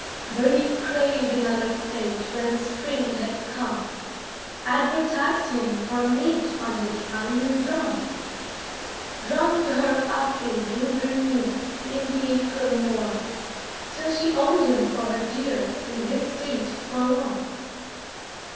Birdie craved another fate When the spring had come; Advertised him for a mate On his dry limb drum. Drummed her up and drew her near, In the April morn, Till she owned him for her dear In his state forlorn.